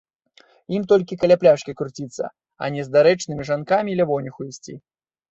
Ім толькі каля пляшкі круціцца, а не з дарэчнымі жанкамі лявоніху ісці.